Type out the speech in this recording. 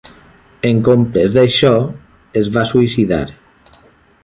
En comptes d'això, es va suïcidar.